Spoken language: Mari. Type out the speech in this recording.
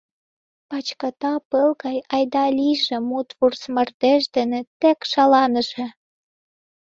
Пачката пыл гай айда-лийже мут вурс мардеж дене тек шаланыже.